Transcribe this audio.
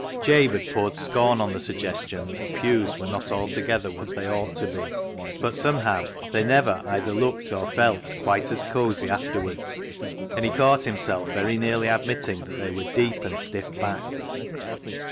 Jabe had poured scorn on the suggestion that the pews were not altogether what they ought to be, but somehow they never either looked or felt quite as cosy afterwards, and he caught himself very nearly admitting that they were deep and stiff backed.